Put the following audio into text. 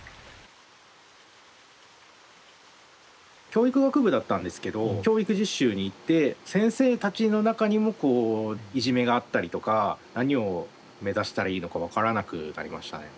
教育学部だったんですけど教育実習に行って先生たちの中にもこういじめがあったりとか何を目指したらいいのか分からなくなりましたね。